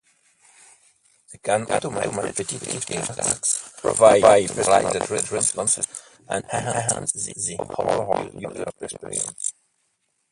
They can automate repetitive tasks, provide personalized responses, and enhance the overall user experience.